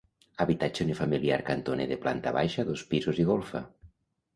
Habitatge unifamiliar cantoner de planta baixa, dos pisos i golfa.